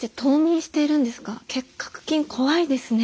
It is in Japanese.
結核菌怖いですね。